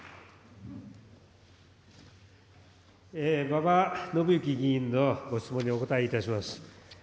馬場伸幸議員のご質問にお答えいたします。